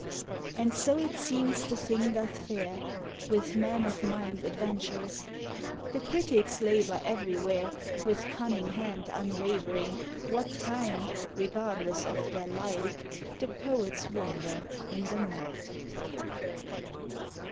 And so it seems the thing doth fare, With men of mind adventurous. The critics labour everywhere With cunning hand unwavering, What time, regardless of their light, The poets wonder in the night.